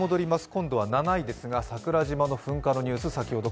今度は７位ですが桜島の噴火のニュース。